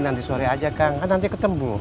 nanti sore aja kang kan nanti ketemu